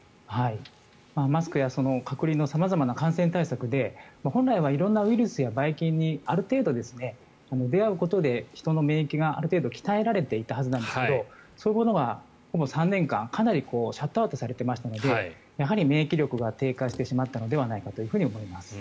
マスクや隔離の様々な感染対策で本来は色んなウイルスやばい菌にある程度出会うことで人の免疫がある程度鍛えられていったはずなんですがそういうものがほぼ３年間かなりシャットアウトされていましたのでやはり免疫力が低下してしまったのではないかと思います。